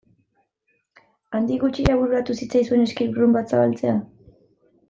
Handik gutxira bururatu zitzaizuen escape room bat zabaltzea?